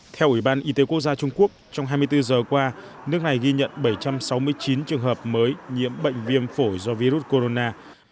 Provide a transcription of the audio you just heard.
theo ủy ban y tế quốc gia trung quốc trong hai mươi bốn giờ qua nước này ghi nhận bảy trăm sáu mươi chín trường hợp mới nhiễm bệnh viêm phổi do virus corona